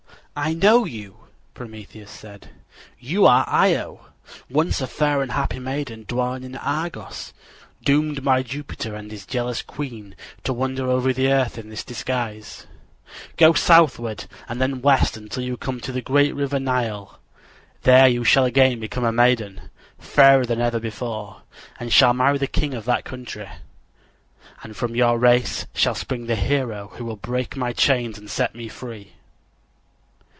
"I know you," Prometheus said. "You are Io, once a fair and happy maiden dwelling in Argos, doomed by Jupiter and his jealous queen to wander over the earth in this guise. Go southward and then west until you come to the great river Nile. There you shall again become a maiden, fairer than ever before, and shall marry the king of that country. And from your race shall spring the hero who will break my chains and set me free."